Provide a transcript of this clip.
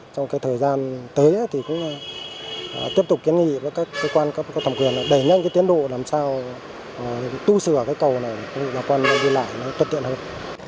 trong thời gian tới thì cũng tiếp tục kiến nghị với các cơ quan các thẩm quyền để nhanh tiến độ làm sao tu sửa cây cầu này để cơ quan đi lại tuyệt tiện hơn